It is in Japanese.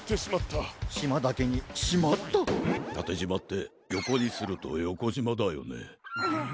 たてじまってよこにするとよこじまだよね。